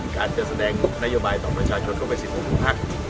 การจะแสดงนโยบายต่อประชาชนก็เป็นสิทธิ์ของทุกภักดิ์